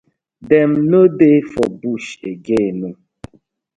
Dem no dey for bush again?